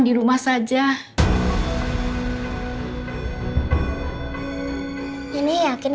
dia nginep di sini